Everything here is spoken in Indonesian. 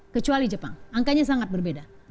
kecuali jepang angkanya sangat berbeda